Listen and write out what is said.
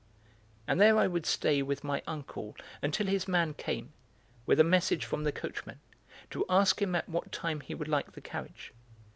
And there I would stay with my uncle until his man came, with a message from the coachman, to ask him at what time he would like the carriage.